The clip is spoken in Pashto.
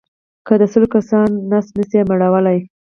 که د سل کسانو ګېډې نه شئ مړولای.